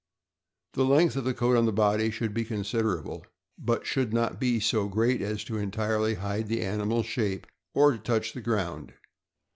The length of coat on the body should be con siderable, but should not be so great as to entirely hide the animal's shape or to touch the ground.